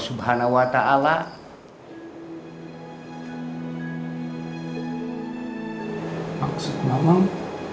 subhanahuwata'ala maksudnya memang